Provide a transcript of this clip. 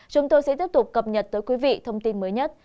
chúng tôi sẽ tiếp tục cập nhật tới quý vị thông tin mới nhất